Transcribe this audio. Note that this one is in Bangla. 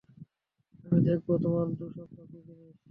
আমি দেখাবো তোমারে, দুঃস্বপ্ন কি জিনিস।